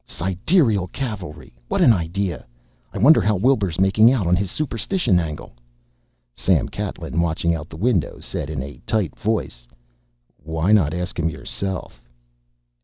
"Sidereal Cavalry! What an idea! I wonder how Wilbur's making out on his superstition angle?" Sam Catlin, watching out the window, said in a tight voice, "Why not ask him yourself?"